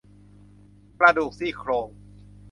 กระดูกซี่โครง